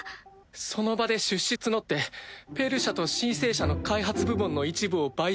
その場で出資募って「ペイル社」と「シン・セー社」の開発部門の一部を買収。